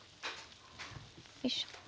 よいしょ。